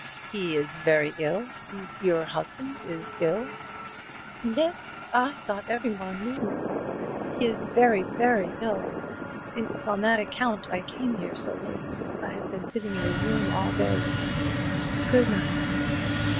"He is very ill your husband is ill?" "Yes, I thought every one knew. He is very, very ill. It is on that account I came here so late. I have been sitting in his room all day. Good night."